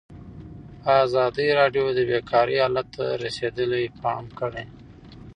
ازادي راډیو د بیکاري حالت ته رسېدلي پام کړی.